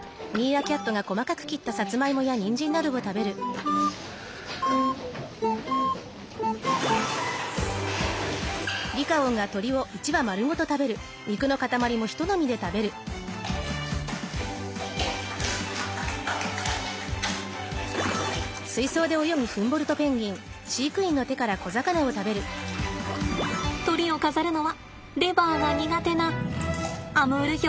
トリを飾るのはレバーが苦手なアムールヒョウのダッシュです。